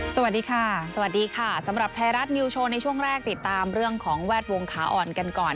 สวัสดีค่ะสวัสดีค่ะสำหรับไทยรัฐนิวโชว์ในช่วงแรกติดตามเรื่องของแวดวงขาอ่อนกันก่อน